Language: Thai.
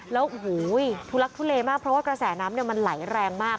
แล้วโอ้โหทุลักทุเลมากเพราะว่ากระแสน้ำมันไหลแรงมาก